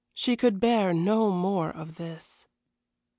She could bear no more of this.